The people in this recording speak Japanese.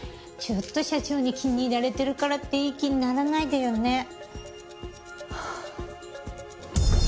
ちょっと社長に気に入られてるからっていい気にならないでよね。